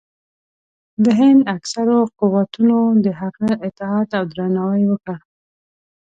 د هند اکثرو قوتونو د هغه اطاعت او درناوی وکړ.